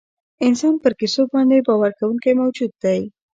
انسان پر کیسو باندې باور کوونکی موجود دی.